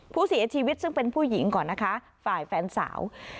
ผู้เสียชีวิตซึ่งเป็นผู้หญิงก่อนนะคะฝ่ายแฟนสาว